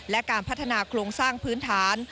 และการพัฒนาโครงสร้างพื้นฐาน